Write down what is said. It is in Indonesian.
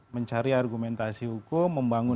mencari argumentasi hukum